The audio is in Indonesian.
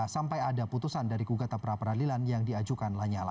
sampai ada putusan dari gugatan pra peradilan yang diajukan lanyala